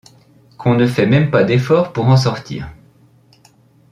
Qu’on ne fait même pas d’efforts pour en sortir.